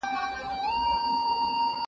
معلوماتو ته نړیوال لاسرسی شته.